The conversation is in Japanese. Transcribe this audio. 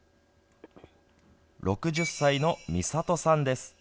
６０歳のみさとさんです。